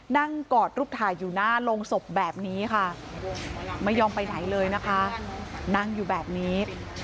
กอดรูปถ่ายอยู่หน้าโรงศพแบบนี้ค่ะไม่ยอมไปไหนเลยนะคะนั่งอยู่แบบนี้